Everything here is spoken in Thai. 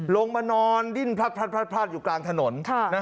ลงมานอนดิ้นพลัดอยู่กลางถนน